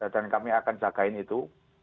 dan kami akan jagain itu